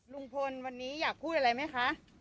ลุงพลวันนี้อยากพูดอะไรไหมคะ